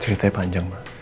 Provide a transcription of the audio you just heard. ceritanya panjang ma